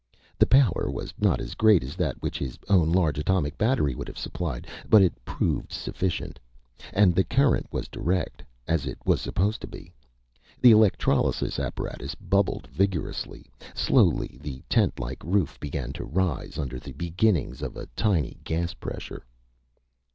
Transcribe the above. The power was not as great as that which his own large atomic battery would have supplied. But it proved sufficient. And the current was direct as it was supposed to be. The electrolysis apparatus bubbled vigorously. Slowly the tentlike roof began to rise, under the beginnings of a tiny gas pressure.